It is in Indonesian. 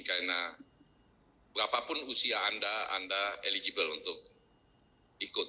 karena berapapun usia anda anda eligible untuk ikut